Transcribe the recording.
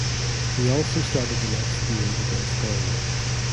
He also started the next game against Galway.